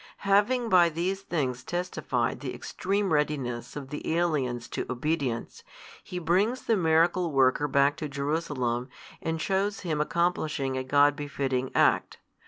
Having by these things testified the extreme readiness of the aliens to obedience, he brings the Miracle worker back to Jerusalem, and shews Him accomplishing a God befitting act.